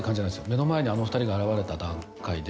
目の前にあの２人が現れた段階で。